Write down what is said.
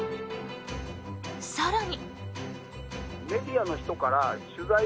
更に。